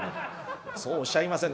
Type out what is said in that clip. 「そうおっしゃいませんで。